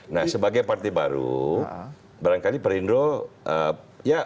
nah sebagai partai baru barangkali perindo ya